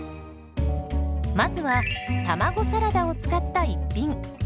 まずは卵サラダを使った一品。